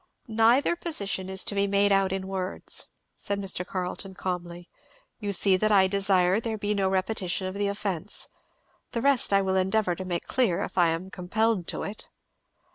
"Neither position is to be made out in words," said Mr. Carleton calmly. "You see that I desire there be no repetition of the offence. The rest I will endeavour to make clear if I am compelled to it."